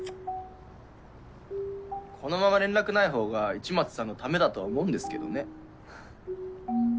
このまま連絡ない方が市松さんのためだとは思うんですけどね。